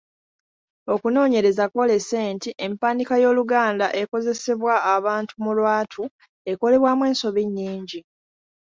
Okunoonyereza kwolese nti empandiika y'Oluganda ekozesebwa abantu mu lwatu ekolebwamu ensobi nnyingi.